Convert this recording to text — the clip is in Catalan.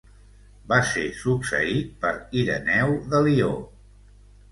Va ser succeït per Ireneu de Lió.